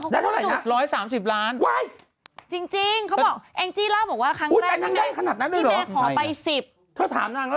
ได้เท่าไหร่นะจริงเขาบอกแองจี้เล่าบอกว่าครั้งแรกพี่แม่ขอไป๑๐บาท